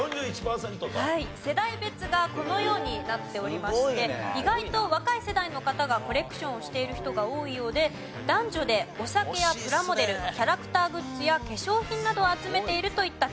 世代別がこのようになっておりまして意外と若い世代の方がコレクションをしている人が多いようで男女でお酒やプラモデルキャラクターグッズや化粧品などを集めているといった違いもみられました。